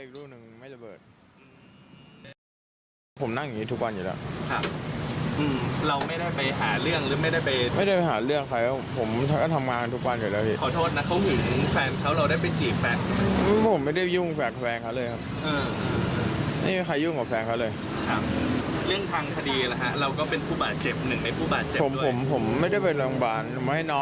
ระเบิดลูกหนึ่งและอีกลูกหนึ่งไม่ระเบิด